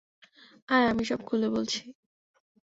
আয়, আমি সব খুলে বলছি।